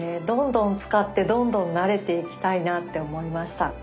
どんどん使ってどんどん慣れていきたいなって思いました。